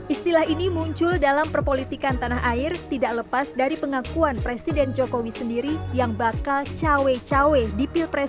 istilah ini muncul dalam perpolitikan tanah air tidak lepas dari pengakuan presiden jokowi sendiri yang bakal cawe cawe di pilpres dua ribu sembilan belas